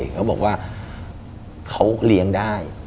เขาบอกว่าเขาเลี้ยงได้